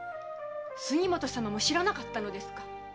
杉本様も知らなかったのですか？